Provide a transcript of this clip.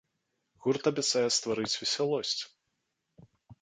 Гурт абяцае стварыць весялосць!